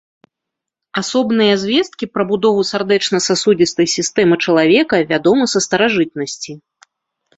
Асобныя звесткі пра будову сардэчна-сасудзістай сістэмы чалавека вядомы са старажытнасці.